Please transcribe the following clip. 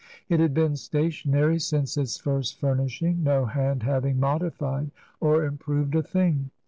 It had been stationary since its first furnish ing, no hand having modified or improved a thing.